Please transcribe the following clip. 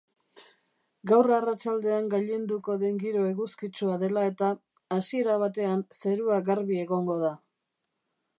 Gaur arratsaldean gailenduko den giro eguzkitsua dela eta, hasiera batean zerua garbi egongo da.